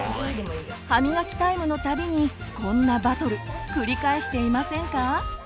歯みがきタイムのたびにこんなバトル繰り返していませんか？